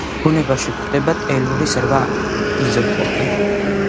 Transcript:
ბუნებაში გვხვდება ტელურის რვა იზოტოპი.